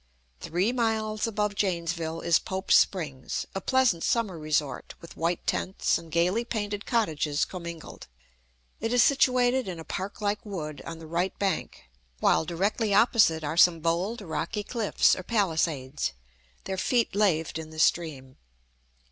Three miles above Janesville is Pope's Springs, a pleasant summer resort, with white tents and gayly painted cottages commingled. It is situated in a park like wood, on the right bank, while directly opposite are some bold, rocky cliffs, or palisades, their feet laved in the stream.